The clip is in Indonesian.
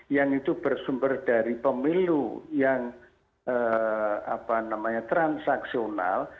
yang itu bersumber dari pemilu yang transaksional